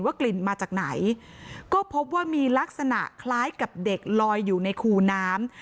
กลิ่นมาจากไหนก็พบว่ามีลักษณะคล้ายกับเด็กลอยอยู่ในคูน้ำ